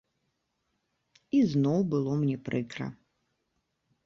І зноў было мне прыкра.